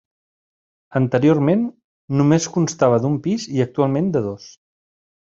Anteriorment, només constava d'un pis, i actualment de dos.